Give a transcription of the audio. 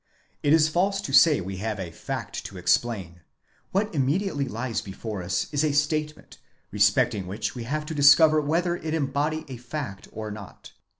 (It is false to say we have a fact to explain; what immediately hes before us is a statement, respecting which we have to discover whether it embody a fact or not.)